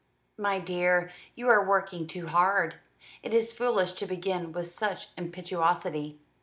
"My dear, you are working too hard. It is foolish to begin with such impetuosity.